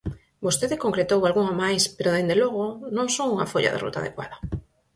Vostede concretou algunha máis, pero, dende logo, non son unha folla de ruta adecuada.